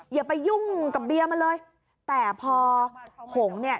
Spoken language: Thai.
อย่าไปยุ่งกับเบียร์มันเลยแต่พอหงเนี่ย